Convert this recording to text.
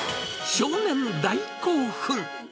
少年大興奮。